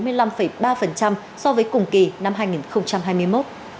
tăng bốn mươi năm ba so với cùng kỳ năm hai nghìn hai mươi một